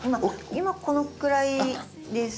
今このくらいです。